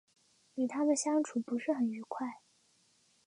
与他们相处不是很愉快